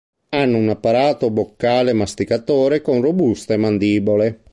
Hanno un apparato boccale masticatore con robuste mandibole.